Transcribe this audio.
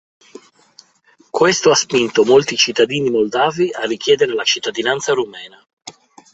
Questo ha spinto molti cittadini moldavi a richiedere la cittadinanza rumena.